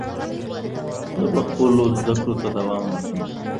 زه به خپلو زده کړو ته دوام ورکړم.